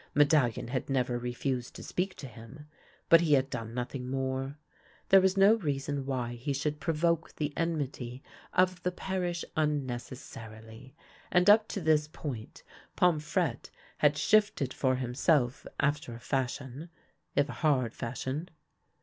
Medallion had never re fused to speak to him, but he had done nothing more. There was no reason why he should provoke the en mity of the parish unnecessarily ; and up to this point Pomfrette had shifted for himself after a fashion, if a hard fashion.